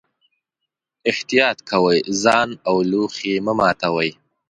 احتیاط کوئ، ځان او لوښي مه ماتوئ.